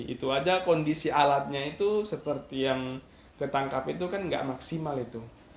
itu aja kondisi alatnya itu seperti yang ketangkap itu kan nggak maksimal itu